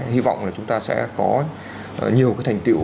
hy vọng là chúng ta sẽ có nhiều cái thành tiệu